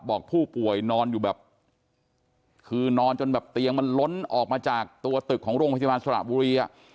บอกผู้ป่วยนอนอยู่แบบคือนอนจนแบบเตียงมันล้นออกมาจากตัวตึกของโรงพยาบาลสระบุรีอ่ะ